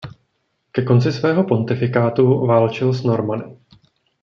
Ke konci svého pontifikátu válčil s Normany.